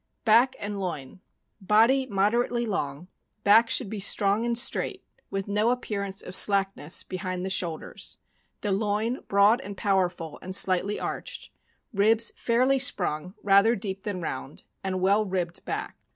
Back and loin. — Body moderately long; back should be strong and straight, with no appearance of slackness behind the shoulders; the loin broad and powerful, and slightly arched; ribs fairly sprung, rather deep than round, and well ribbed back.